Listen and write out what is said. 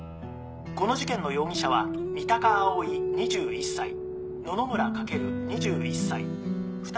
「この事件の容疑者は三鷹蒼２１歳野々村翔２１歳二川瞬也２２歳の３人で」